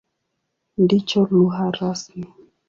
Ndicho lugha rasmi.